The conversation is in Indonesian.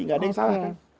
nggak ada yang salah kan